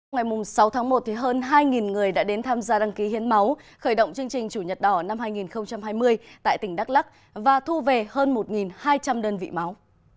ngày sáu tháng một hơn hai người đã đến tham gia đăng ký hiến máu khởi động chương trình chủ nhật đỏ năm hai nghìn hai mươi tại tỉnh đắk lắc và thu về hơn một hai trăm linh đơn vị máu